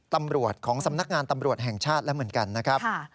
ตำรวจของสำนักงานตำรวจแห่งชาติแล้วเหมือนกันนะครับ